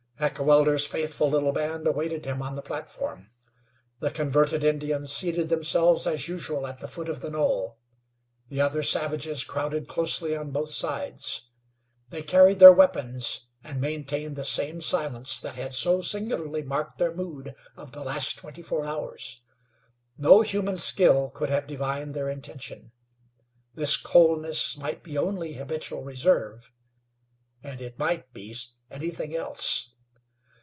Heckewelder's faithful little band awaited him on the platform. The converted Indians seated themselves as usual at the foot of the knoll. The other savages crowded closely on both sides. They carried their weapons, and maintained the same silence that had so singularly marked their mood of the last twenty four hours. No human skill could have divined their intention. This coldness might be only habitual reserve, and it might be anything else.